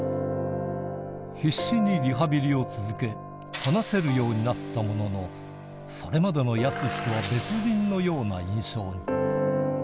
必死にリハビリを続け、話せるようになったものの、それまでのやすしとは別人のような印象に。